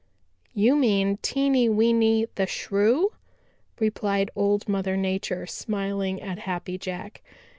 "You mean Teeny Weeny the Shrew," replied Old Mother Nature, smiling at Happy Jack.